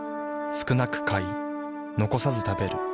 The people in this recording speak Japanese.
少なく買い残さず食べる。